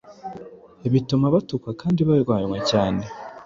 bituma batukwa kandi barwanywa cyane.